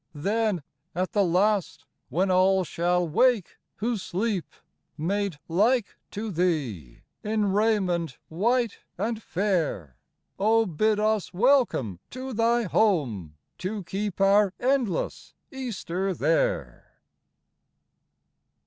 Then at the last, when all shall wake who sleep, Made like to Thee, in raiment white and fair, Oh, bid us welcome to Thy home, to keep Our endless Easter there